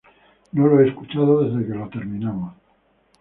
No lo he escuchado desde que lo terminamos.